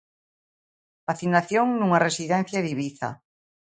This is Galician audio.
Vacinación nunha residencia de Ibiza.